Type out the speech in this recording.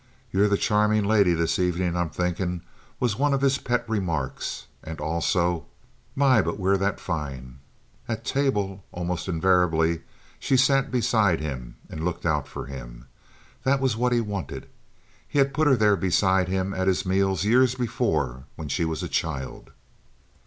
"You're the charming lady this evenin', I'm thinkin'," was one of his pet remarks; and also, "My, but we're that fine!" At table almost invariably she sat beside him and looked out for him. That was what he wanted. He had put her there beside him at his meals years before when she was a child.